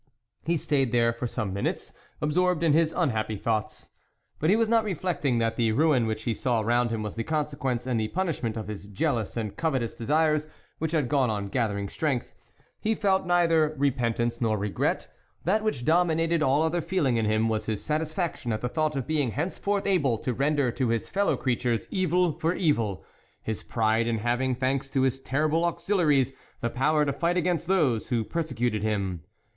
He stayed there some minutes, absorbed in his unhappy thoughts. But he was not reflecting that the ruin which he saw around him was the consequence and the punishment of his jealous and covetous desires, which had gone on gathering strength. He felt neither re pentance nor regret. That which domin ated all other feeling in him was his satisfaction at the thought of being hence forth able to render to his fellow creatures evil for evil, his pride in having, thanks to his terrible auxiliaries, the power to fight against those who persecuted him.